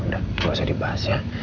gak usah dibahas ya